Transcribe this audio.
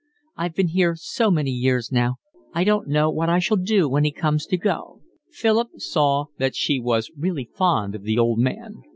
I've been here so many years now, I don't know what I shall do when he comes to go." Philip saw that she was really fond of the old man.